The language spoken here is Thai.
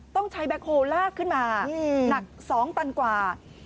ต้องใช้แบ็คโฮลากขึ้นมาหนัก๒ตันกว่า